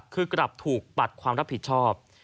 คือกลับถูกปัดความรับผิดชอบ